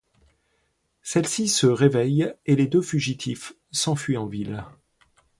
Celle-ci se réveille et les deux fugitifs s'enfuient en ville.